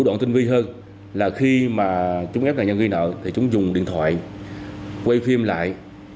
đoạn tinh vi hơn là khi mà chúng ép nạn nhân gây nợ thì chúng dùng điện thoại quay phim lại